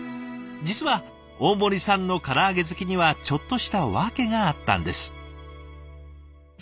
実は大森さんのから揚げ好きにはちょっとした訳があったんです。